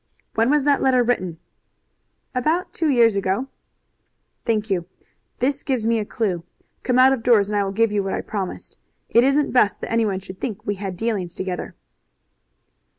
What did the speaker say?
"When was that letter written?" "About two years ago." "Thank you. This gives me a clue. Come out of doors and I will give you what I promised. It isn't best that anyone should think we had dealings together."